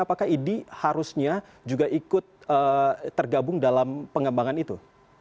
apakah idi harusnya juga ikut tergabung dalam pengembangan itu